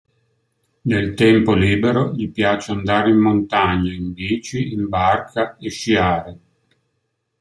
Nel tempo libero gli piace andare in montagna, in bici, in barca e sciare.